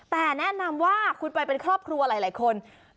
แต่แนะนำว่าคุณไปเป็นครอบครัวหลายคน